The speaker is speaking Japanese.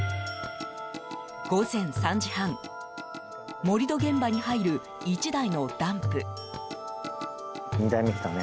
午前３時半盛り土現場に入る１台のダンプ。